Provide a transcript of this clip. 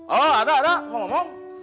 oh ada ada mau ngomong